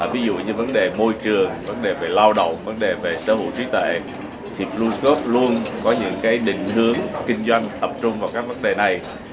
ví dụ như vấn đề môi trường vấn đề về lao động vấn đề về sở hữu trí tệ thì bluecob luôn có những định hướng kinh doanh tập trung vào các vấn đề này